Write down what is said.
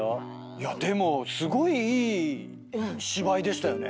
いやでもすごいいい芝居でしたよね。